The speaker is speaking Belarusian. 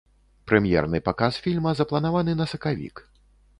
Прэм'ерны паказ фільма запланаваны на сакавік.